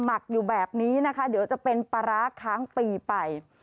หมักอยู่แบบนี้นะคะเดี๋ยวจะเป็นปลาร้าค้างปีไป